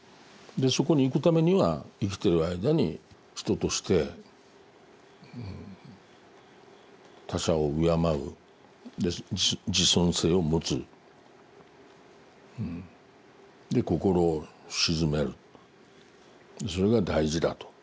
そこに行くためには生きてる間に人として他者を敬う自尊性を持つ心を静めるそれが大事だと。